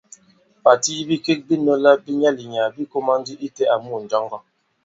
Pàti yi bikek bi nɔ̄lā bi nyaà-li-nyàà bī kōmā ndi itē àmu ǹnjɔŋgɔ.